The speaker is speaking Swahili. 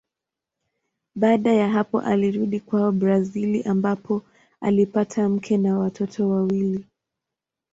Baada ya hapo alirudi kwao Brazili ambapo alipata mke na watoto wawili.